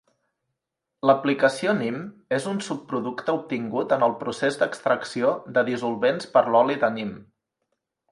L'aplicació Nim és un subproducte obtingut en el procés d'extracció de dissolvents per a l'oli de nim.